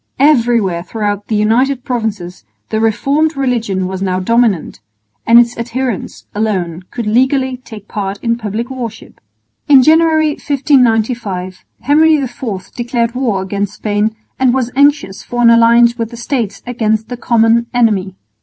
Everywhere throughout the United Provinces the reformed religion was now dominant, and its adherents alone could legally take part in public worship. In January, 1595, Henry IV declared war against Spain and was anxious for an alliance with the States against the common enemy.